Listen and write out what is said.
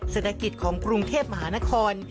เศรษฐกิจของกรุงเทพมหานคร